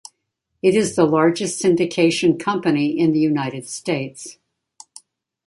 It is the largest syndication company in the United States.